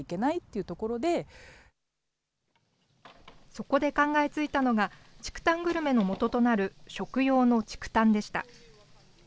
そこで考えついたのが、竹炭グルメのもととなる、食用の竹炭でした。